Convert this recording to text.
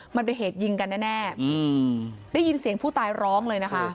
มันเป็นเหตุยิงกันแน่ได้ยินเสียงผู้ตายร้องเลยนะคะ